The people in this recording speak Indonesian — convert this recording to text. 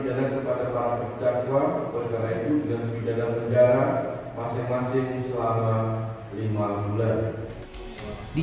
masyarakat jatuh bergerak itu dengan pidana penjara masing masing selama lima bulan di